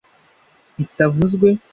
bitavuzwe